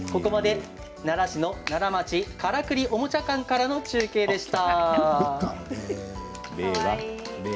奈良市の奈良町からくりおもちゃ館からの中継でした。